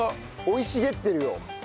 生い茂ってるよ。